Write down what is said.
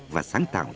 và sáng tạo